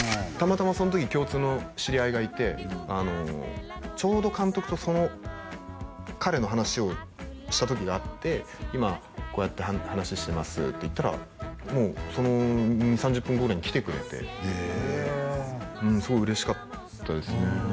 たまたまその時共通の知り合いがいてちょうど監督とその彼の話をした時があって今こうやって話してますって言ったらもうその２０３０分後に来てくれてへえすごい嬉しかったですね